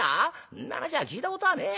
んな話は聞いたことはねえや。